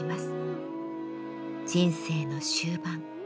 人生の終盤。